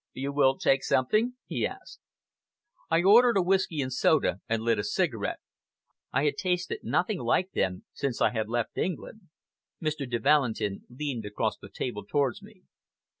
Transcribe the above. "You will take something?" he asked. I ordered a whisky and soda and lit a cigarette. I had tasted nothing like them since I had left England. Mr. de Valentin leaned across the table towards me.